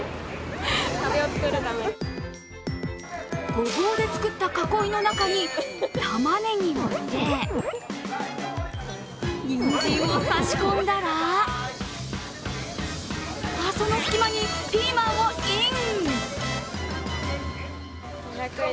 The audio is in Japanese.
ごぼうで作った囲いの中にたまねぎを入れにんじんを差し込んだらその隙間にピーマンをイン。